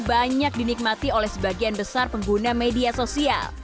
banyak dinikmati oleh sebagian besar pengguna media sosial